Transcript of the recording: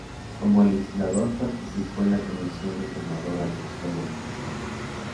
Como legislador participó en la comisión reformadora de los códigos de procedimientos.